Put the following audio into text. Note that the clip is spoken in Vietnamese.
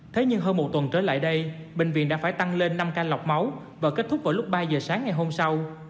thế nhưng hơn một tuần trở lại đây bệnh viện đã phải tăng lên năm ca lọc máu và kết thúc vào lúc ba giờ sáng ngày hôm sau